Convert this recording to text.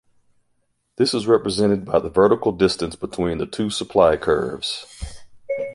This is represented by the vertical distance between the two supply curves.